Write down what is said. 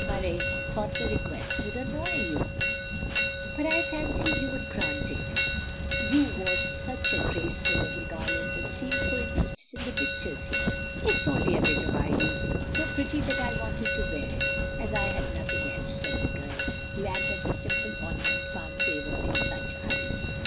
Murray thought the request would annoy you; but I fancied you would grant it, you wore such a graceful little garland, and seemed so interested in the pictures here." "It is only a bit of ivy, but so pretty I wanted to wear it, as I had nothing else," said the girl, glad that her simple ornament found favor in such eyes.